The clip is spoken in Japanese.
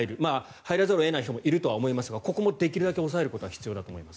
入らざるを得ない人もいると思いますがここもできるだけ抑える必要があると思います。